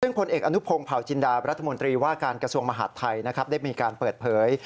ซึ่งผลเอกอนุพงศ์เผาจินดารัฐมนตรีว่าการกระทรวงมหาดไทยนะครับได้มีการเปิดเผย